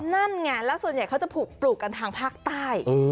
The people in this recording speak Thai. นั่นไงแล้วส่วนใหญ่เขาจะผูกปลูกกันทางภาคใต้